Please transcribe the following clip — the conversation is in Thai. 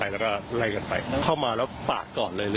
น่าจะเข้ามากันแล้วก็แบบ